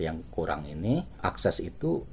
yang kurang ini akses itu